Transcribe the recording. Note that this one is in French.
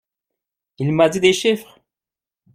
Il m'a dit des chiffres!